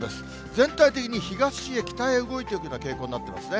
全体的に東へ、北へ動いていくような傾向になってますね。